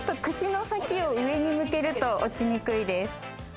串の先を上に向けると落ちにくいです。